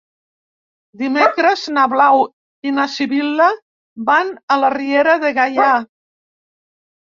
Dimecres na Blau i na Sibil·la van a la Riera de Gaià.